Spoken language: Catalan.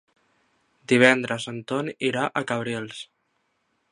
Divendres en Ton irà a Cabrils.